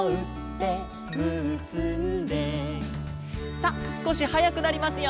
さあすこしはやくなりますよ。